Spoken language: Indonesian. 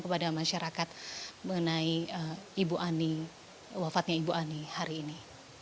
apa yang bisa disampaikan kepada masyarakat mengenai wafatnya ibu ani hari ini